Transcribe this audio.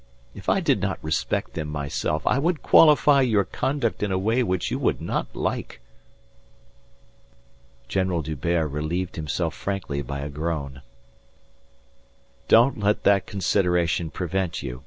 If I did not respect them myself I would qualify your conduct in a way which you would not like." General D'Hubert relieved himself frankly by a groan. "Don't let that consideration prevent you.